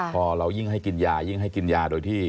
พอเรายิ่งให้กินยายิ่งให้กินยา